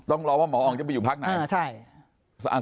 ต้องรอว่าหมออองจะไปอยู่พักไหน